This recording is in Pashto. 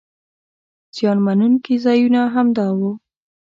زیان مننونکي ځایونه همدا وو.